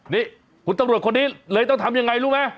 นี่คุณตำรวจคนนี้เลยต้องทำยังไงรู้ไหม